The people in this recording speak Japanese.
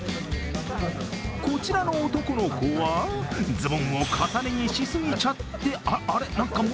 こちらの男の子は、ズボンを重ね着しすぎちゃって、あれっ、